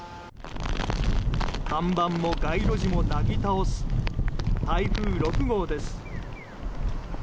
看板も街路樹もなぎ倒す、台風６号です。